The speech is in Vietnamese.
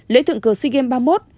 lễ thượng cơ sea games ba mươi một